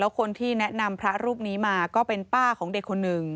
คนที่แนะนำพระรูปนี้มาก็เป็นป้าของเด็กคนหนึ่ง